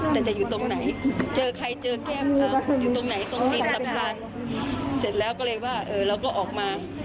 แต่จะอยู่ตรงไหนเจอใครเจอแก้มอยู่ตรงไหนตรงตีนสะพานเสร็จแล้วก็เลยว่าเออเราก็ออกมา